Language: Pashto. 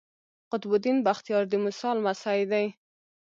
قطب الدین بختیار د موسی لمسی دﺉ.